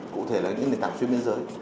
cụ thể là những nền tảng xuyên biên giới